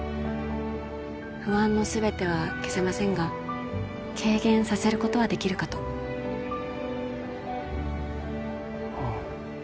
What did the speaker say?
不安の全ては消せませんが軽減させることはできるかとああ